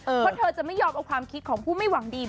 เพราะเธอจะไม่ยอมเอาความคิดของผู้ไม่หวังดี